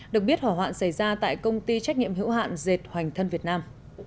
được biết hỏa hoạn xảy ra tại công ty trách nhiệm hữu hạn dệt hoành thân việt nam